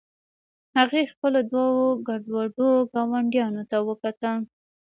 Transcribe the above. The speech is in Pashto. هغې خپلو دوو ګډوډو ګاونډیانو ته وکتل